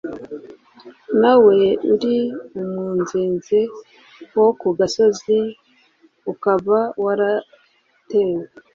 nawe uri umunzenze wo ku gasozi ukaba waratewe